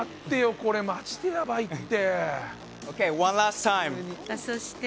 これ、まじでやばいって。